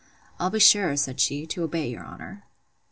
I'll be sure, said she, to obey your honour.